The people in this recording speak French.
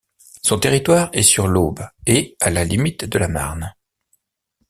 Son territoire est sur l'Aube et à la limite de la Marne.